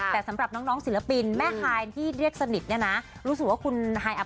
แต่สำหรับน้องศิลปิน